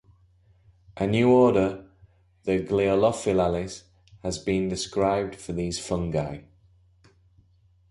A new order, the Gloeophyllales, has been described for these fungi.